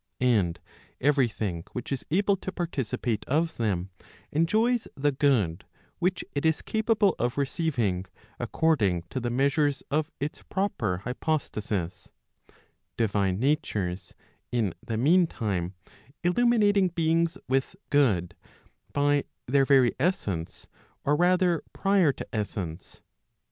And every thing which is able to participate of them, enjoys the good which it is capable of receiving, according to the measures of its proper hypostasis; divine natures, in the mean time, illuminating beings with good, by their very essence, or rather prior to essence.